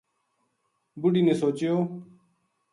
بڈھی نے سوچیو